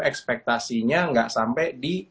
ekspektasinya nggak sampai di